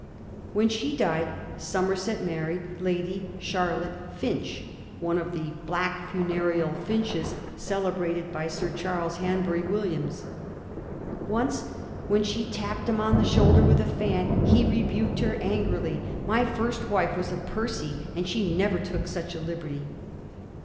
When she died Somerset married Lady Charlotte Finch, one of the * Black Funereal Finches,' celebrated by Sir Charles Hanbury Williams. Once, when she tapped him on the shoulder with a fan, he rebuked her angrily :* My first wife was a Percy, and she never took such a liberty.'